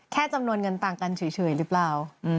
จำนวนเงินต่างกันเฉยหรือเปล่า